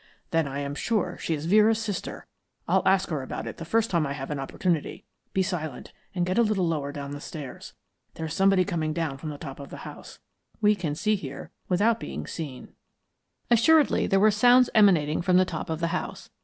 "Then I am sure she is Vera's sister. I'll ask her about it the first time I have an opportunity. Be silent and get a little lower down the stairs. There is somebody coming from the top of the house. We can see here without being seen." Assuredly there were sounds emanating from the top of the house.